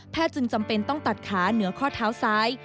จึงจำเป็นต้องตัดขาเหนือข้อเท้าซ้าย